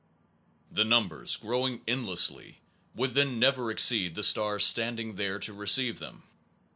The numbers, growing end lessly, would then never exceed the stars stand ing there to receive them.